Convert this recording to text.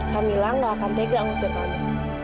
kamila tidak akan tega mengusir kamu